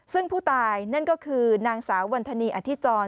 ซึ่งผู้ตายนั่นก็คือนางสาววันธนีอธิจร